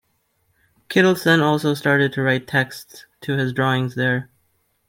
Kittelsen also started to write texts to his drawings there.